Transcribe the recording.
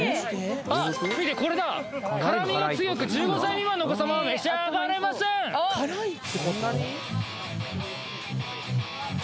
あっ見てこれだ辛みが強く１５歳未満のお子様は召し上がれませんあっ！